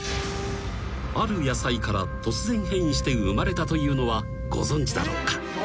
［ある野菜から突然変異して生まれたというのはご存じだろうか？